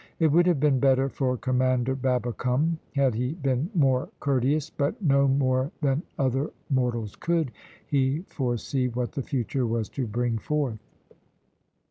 It would have been better for Commander Babbicome had he been more courteous, but no more than other mortals could he foresee what the future was to bring forth.